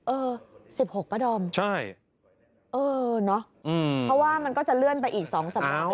เออ๑๖ป้าดอมใช่เออเนอะเพราะว่ามันก็จะเลื่อนไปอีก๒สัปดาห์